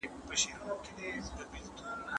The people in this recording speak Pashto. زور یې نه و د شهپر د وزرونو